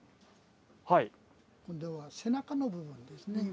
今度は背中の部分ですね。